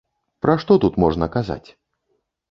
Пра што тут можна казаць?